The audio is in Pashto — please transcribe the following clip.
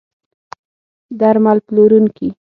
درمل پلورونکي